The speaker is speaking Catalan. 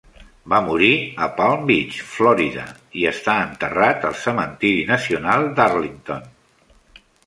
Va morir a Palm Beach, Florida, i està enterrat al cementiri nacional d'Arlington.